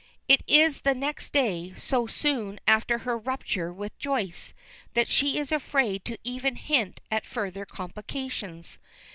It is the next day, so soon after her rupture with Joyce, that she is afraid to even hint at further complications.